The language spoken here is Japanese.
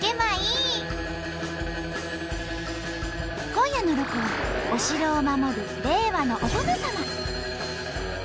今夜のロコはお城を守る令和のお殿様。